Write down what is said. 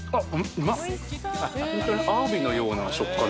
うまっ！